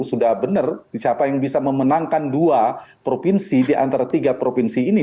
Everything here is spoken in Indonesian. sudah benar siapa yang bisa memenangkan dua provinsi di antara tiga provinsi ini